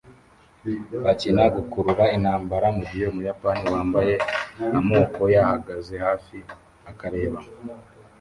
bakina gukurura intambara mugihe umuyapani wambaye amoko yahagaze hafi akareba